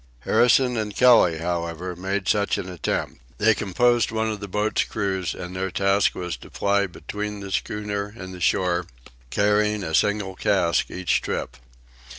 Harrison and Kelly, however, made such an attempt. They composed one of the boats' crews, and their task was to ply between the schooner and the shore, carrying a single cask each trip.